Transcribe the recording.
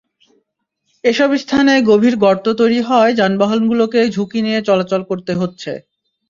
এসব স্থানে গভীর গর্ত তৈরি হওয়ায় যানবাহনগুলোকে ঝুঁকি নিয়ে চলাচল করতে হচ্ছে।